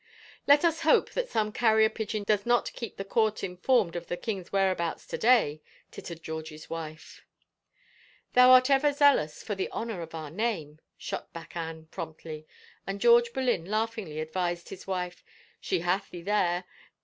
" Let us hope that same carrier pigeon does not keep the court informed of the king's whereabouts to day," tittered George's wife. " Thou art ever zealous for the honor of our name," shot back Anne promptly, and George Boleyn laughingly advised his wife, " She hath thee there